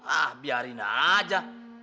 ah biarin aja